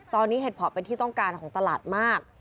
ตอนนี้เห็ดเพาะเป็นที่ต้องการของตลาดมาก